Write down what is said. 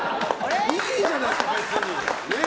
いいじゃないですか、別に。